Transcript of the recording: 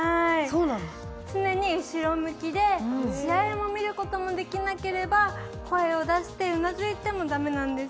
常に後ろ向きで試合を見ることもできなければ声を出してうなずいてもだめなんです。